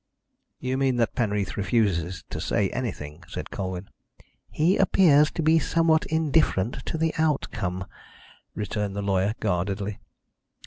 "You mean that Penreath refuses to say anything?" said Colwyn. "He appears to be somewhat indifferent to the outcome," returned the lawyer guardedly.